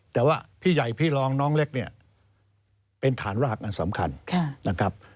แต่ว่าพี่ใหญ่พี่รองน้องเล็กเนี่ยเป็นฐานรากอันสำคัญนะครับ